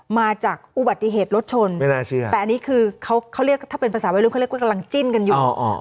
มาจากอุบัติเหตุรถชนไม่น่าเชื่อแต่อันนี้คือเขาเรียกถ้าเป็นภาษาวัยรุ่นเขาเรียกว่ากำลังจิ้นกันอยู่